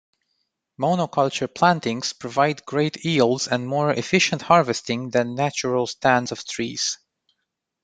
Monoculture plantings provide great yields and more efficient harvesting than natural stands of trees.